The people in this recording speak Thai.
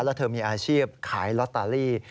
แล้วเธอมีอาชีพขายลอตเตอรี่